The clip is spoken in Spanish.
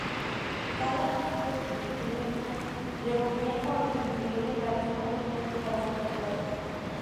Cada uno determinó que Medina reunía con los criterios legales competentes para ser juzgado.